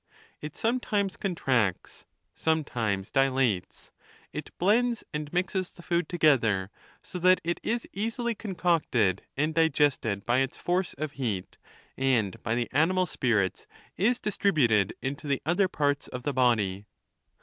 It some times contracts, sometimes dilates. It blends and mixes the food together, so that it is easily concocted and di gested by its force of heat, and by the animal spirits is distributed into the other parts of the body.